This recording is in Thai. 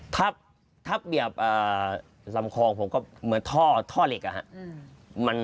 ถ้าเปรียบลำคลองผมก็เหมือนท่อเหล็กอ่ะฮะ